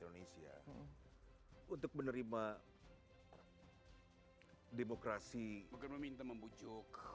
indonesia untuk menerima demokrasi bukan meminta membujuk